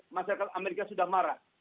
masyarakat amerika sudah marah